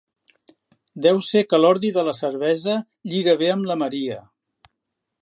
Deu ser que l'ordi de la cervesa lliga bé amb la maria.